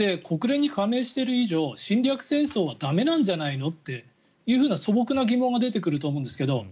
国連に加盟している以上侵略戦争は駄目なんじゃないのという素朴な疑問が出てくると思うんですけど